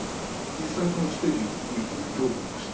実際そのステージを見てどう思いました？